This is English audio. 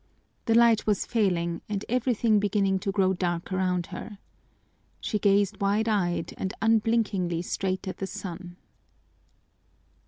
The light was failing and everything beginning to grow dark around her. She gazed wide eyed and unblinkingly straight at the sun.